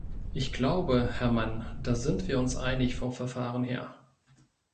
Ich glaube, Herr Mann, da sind wir uns einig vom Verfahren her.